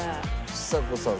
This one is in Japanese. ちさ子さん